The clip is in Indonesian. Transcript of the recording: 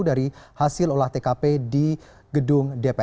dari hasil olah tkp di gedung dpr